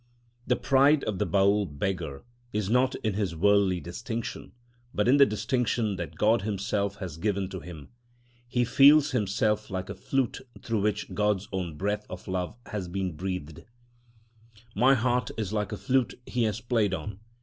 The pride of the Baül beggar is not in his worldly distinction, but in the distinction that God himself has given to him. He feels himself like a flute through which God's own breath of love has been breathed: My heart is like a flute he has played on.